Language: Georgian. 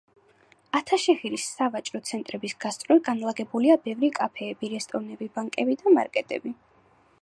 ათაშეჰირის სავაჭრო ცენტრების გასწვრივ განლაგებულია ბევრი კაფეები, რესტორნები, ბანკები და მარკეტები.